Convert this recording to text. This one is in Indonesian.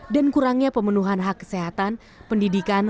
dan kurangnya pemenuhan hak kesehatan pendidikan